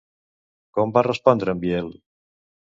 Com va respondre en Biel?